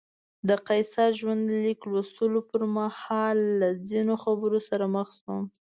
د قیصر ژوندلیک لوستلو پر مهال له ځینو خبرو سره مخ شوم.